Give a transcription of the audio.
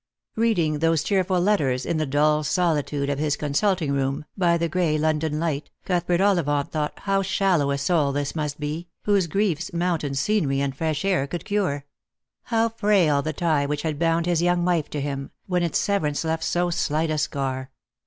Reading those cheer 316 Lost for Love. ful letters in the dull solitude of his consulting room, by the gray London light, Cuthbert Ollivant thought how shallow a soul this must be, whose griefs mountain scenery and fresh air could cure —how frail the tie which had bound his young wife to him, wfcsn its severance left so slight a scar.